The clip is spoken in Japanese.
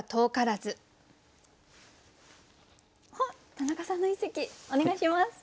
田中さんの一席お願いします。